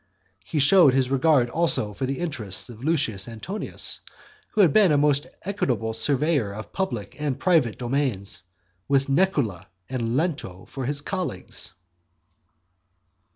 He showed his regard also for the interests of Lucius Antonius, who had been a most equitable surveyor of private and public domains, with Nucula and Lento for his colleagues.